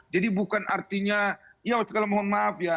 jadi bukan artinya ya sekarang mohon maaf ya